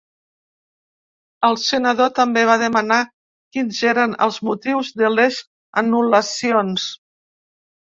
El senador també va demanar quins eren els motius de les anul·lacions.